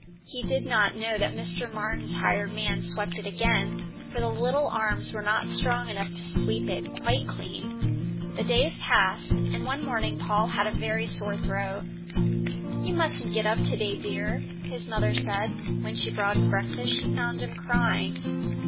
He did not know that Mr. Martin's hired man swept it again, for the little arms were not strong enough to sweep it quite clean. The days passed, and one morning Paul had a very sore throat. "You mustn't get up today, dear," his mother said. When she brought his breakfast, she found him crying.